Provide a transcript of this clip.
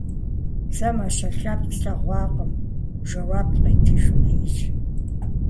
- Сэ мащэ лъэпкъ слъэгъуакъым! - жэуап къетыж беижьым.